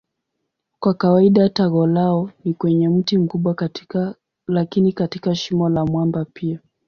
Kwa kawaida tago lao ni kwenye mti mkubwa lakini katika shimo la mwamba pia.